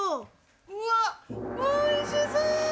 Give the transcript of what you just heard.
うわっ、おいしそう！